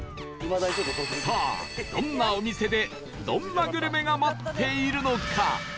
さあどんなお店でどんなグルメが待っているのか？